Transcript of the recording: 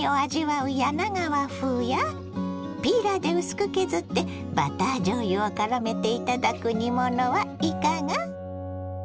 柳川風やピーラーで薄く削ってバターじょうゆをからめて頂く煮物はいかが。